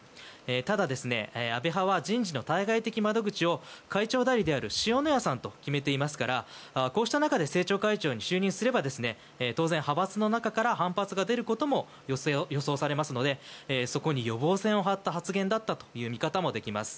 ただ、安倍派は人事の対外的窓口を塩谷さんと決めていますからこうした中で政調会長に就任すれば当然派閥の中から反発が出ることも予想されますのでそこに予防線を張った発言だったという見方もできます。